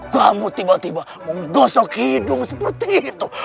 kamu tiba tiba menggosok hidung seperti itu